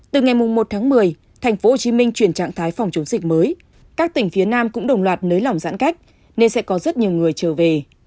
từ ngày một một mươi thành phố hồ chí minh chuyển trạng thái phòng chống dịch mới các tỉnh phía nam cũng đồng loạt nới lỏng giãn cách nên sẽ có rất nhiều người trở về